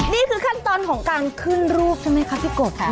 นี่คือขั้นตอนของการขึ้นรูปใช่ไหมคะพี่โกะค่ะ